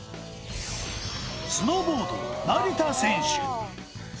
スノーボード成田選手